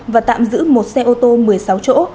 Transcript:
và tạm giữ một xe ô tô một mươi sáu chỗ